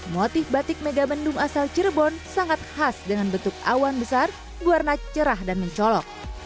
motif batik megamendung asal cirebon sangat khas dengan bentuk awan besar warna cerah dan mencolok